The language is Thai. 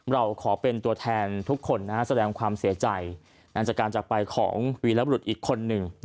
เราขอเป็นตัวแทนทุกคนแสดงความเสียใจจากการจักรไปของวีรบรุษอีกคนหนึ่ง